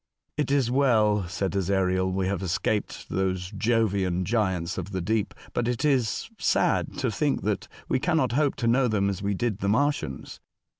*' It is well," said Ezariel, " we have escaped those Jovian giants of the deep ; but it is sad to think that w^e cannot hope to know them as we did the Martians.